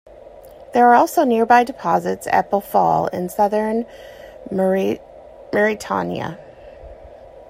There are also nearby deposits at Bofal in southern Mauritania.